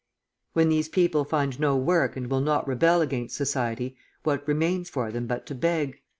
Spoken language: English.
When these people find no work and will not rebel against society, what remains for them but to beg?